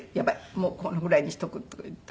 もうこのぐらいにしとく」とか言って。